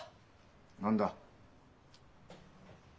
何だ？